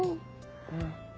うん。